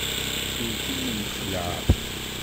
Tewt-iyi lxelεa.